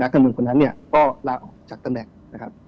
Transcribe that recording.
การเมืองคนนั้นเนี่ยก็ลาออกจากตำแหน่งนะครับ